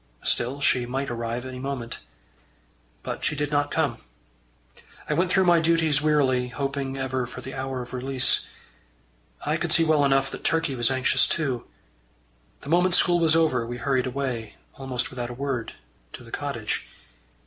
Still she might arrive any moment. But she did not come. I went through my duties wearily, hoping ever for the hour of release. I could see well enough that Turkey was anxious too. The moment school was over, we hurried away, almost without a word, to the cottage.